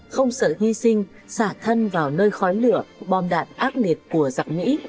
không sợ hy sinh xả thân vào nơi khói lửa bom đạn ác liệt của giặc mỹ